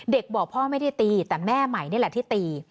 บอกพ่อไม่ได้ตีแต่แม่ใหม่นี่แหละที่ตี